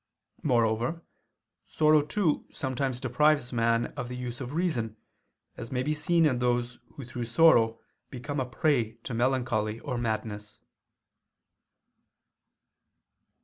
Moreover sorrow too sometimes deprives man of the use of reason: as may be seen in those who through sorrow become a prey to melancholy or madness.